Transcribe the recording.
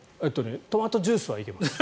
トマトジュースはいけます。